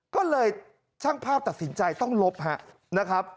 ก็เลยช่างพราวตัดสินใจต้องลบ